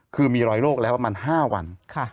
คือมีรอยโรคแล้วประมาณ๕วัน